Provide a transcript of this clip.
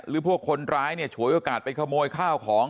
พวกคนร้ายเนี่ยฉวยโอกาสไปขโมยข้าวของ